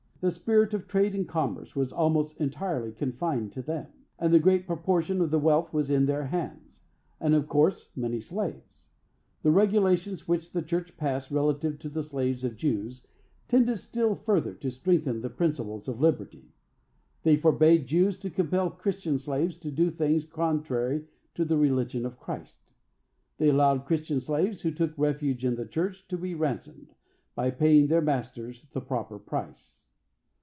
The spirit of trade and commerce was almost entirely confined to them, and the great proportion of the wealth was in their hands, and, of course, many slaves. The regulations which the church passed relative to the slaves of Jews tended still further to strengthen the principles of liberty. They forbade Jews to compel Christian slaves to do things contrary to the religion of Christ. They allowed Christian slaves, who took refuge in the church, to be ransomed, by paying their masters the proper price.